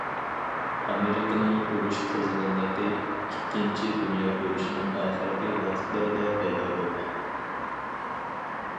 ئامېرىكىنىڭ ئۇرۇش قىزغىنلىقى ئىككىنچى دۇنيا ئۇرۇشىنىڭ ئاخىرقى ۋاقىتلىرىدا پەيدا بولغان.